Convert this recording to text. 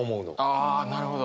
あなるほど。